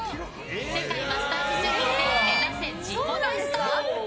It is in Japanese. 世界マスターズ水泳で目指せ自己ベスト。